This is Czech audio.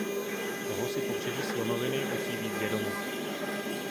Toho si Pobřeží slonoviny musí být vědomo.